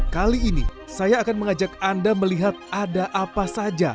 kali ini saya akan mengajak anda melihat ada apa apa yang terjadi di jawa tengah